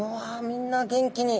みんな元気に。